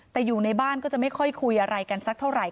แต่อยู่ในบ้านก็จะไม่ค่อยคุยอะไรกันสักเท่าไหร